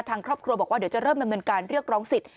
ทางครอบครัวบอกว่าเดี๋ยวจะเริ่มดำเนินการเรียกร้องสิทธิ